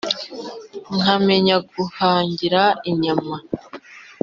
Nkamenya guhangira inyama!